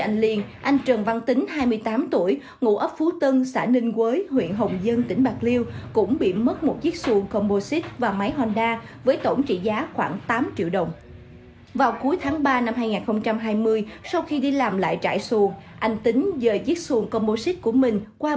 anh lâm thanh liên ba mươi tám tuổi ngủ ấp kèm thị trấn ngang dừa huyện hồng dân tỉnh bạc liêu hôm nay rất vui mừng khi nhận lại được chiếc xùn combo xít của mình nữa